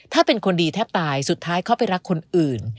ถ้าเป็นคนดีแทบตายสุดท้ายเขาไปรักคนอื่น